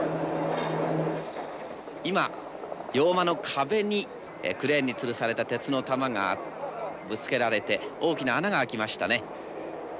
今洋間の壁にクレーンにつるされた鉄の球がぶつけられて大きな穴が開きましたね。